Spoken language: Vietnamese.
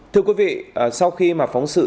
thưa quý vị sau khi mà phóng sự